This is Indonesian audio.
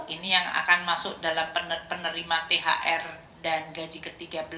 ini yang akan masuk dalam penerima thr dan gaji ke tiga belas